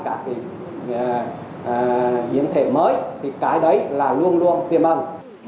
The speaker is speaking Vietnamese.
cả cái biến thể mới thì cái đấy là luôn luôn tiêm ẩn